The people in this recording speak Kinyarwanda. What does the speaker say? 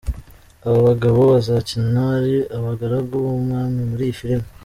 Aba bagabo bazakina ari abagaragu b'umwami muri iyi filime.